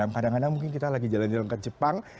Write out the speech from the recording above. kadang kadang mungkin kita lagi jalan jalan ke jepang